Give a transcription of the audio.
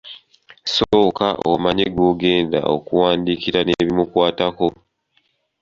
Sooka omanye gw'ogenda okuwandiikira n'ebimukwatako.